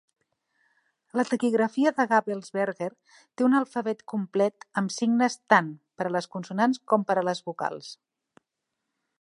La taquigrafia de Gabelsberger té un alfabet complet amb signes tant per a les consonants com per a les vocals.